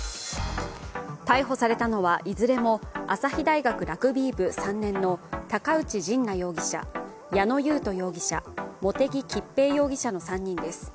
逮捕されたのはいずれも朝日大学ラグビー部３年の高内仁成容疑者家野容疑者、茂木吉平容疑者の３人です。